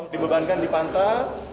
dibebankan di pantat